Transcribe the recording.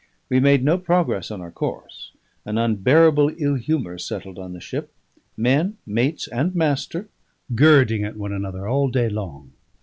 We made no progress on our course. An unbearable ill humour settled on the ship: men, mates, and master, girding at one another all day long.